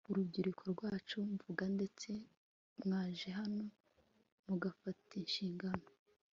urubyiruko rwacu mvuga ndetse mwaje hano mugafata inshingano